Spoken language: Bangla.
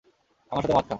আমার সাথে মদ খা।